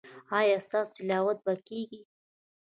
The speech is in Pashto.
ایا ستاسو تلاوت به کیږي؟